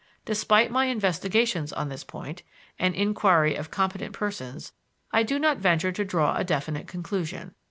Despite my investigations on this point, and inquiry of competent persons, I do not venture to draw a definite conclusion.